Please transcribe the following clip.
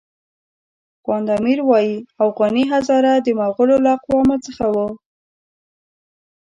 خواند امیر وایي اوغاني هزاره د مغولو له اقوامو څخه وو.